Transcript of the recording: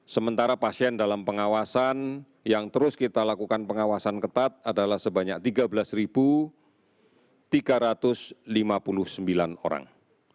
sementara pasien dalam pengawasan yang terus kita lakukan pengawasan ketat adalah sebanyak tiga belas tiga ratus lima puluh sembilan orang